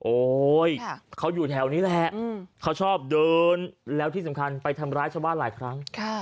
โอ๊ยเขาอยู่แถวนี้แหละเขาชอบเดินแล้วที่สำคัญไปทำร้ายชาวบ้านหลายครั้ง